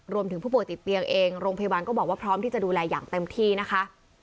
รวมถึงผู้ป่วยติดเตียงเองโรงพยาบาลก็บอกว่าพร้อมที่จะดูแลอย่างเต็มที่นะคะ